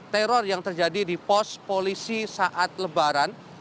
teror yang terjadi di pos polisi saat lebaran